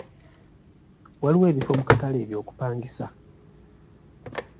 Waliwo ebifo mu katale eby'okupangisa?